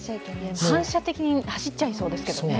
反射的に走っちゃいそうですけどね。